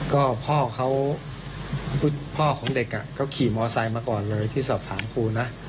ก็พ่อเขาพ่อของเด็กเขาขี่มอไซค์มาก่อนเลยที่สอบถามครูนะ